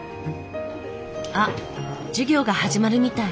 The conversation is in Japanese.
あっ授業が始まるみたい。